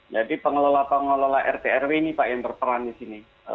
jadi pengelola pengelola rt rw ini pak yang berperan di sini